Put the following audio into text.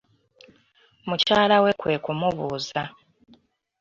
Mukyala we kwe kumubuuza.